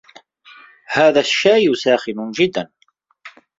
هذا الشاي ساخن جدا